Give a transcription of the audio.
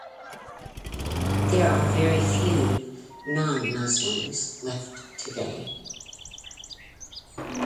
There are very few non-Muslims left today.